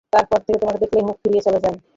তার পর থেকে তোমাকে দেখলেই তো মুখ ফিরিয়ে চলে যান।